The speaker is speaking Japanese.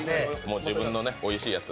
自分のおいしいやつ。